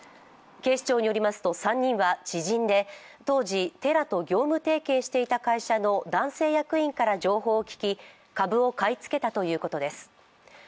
警視庁によりますと３人は知人で当時、テラと業務提携していた会社の男性役員から情報を聞き、株を買い付けたということです。